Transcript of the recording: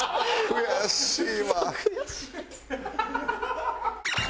悔しい。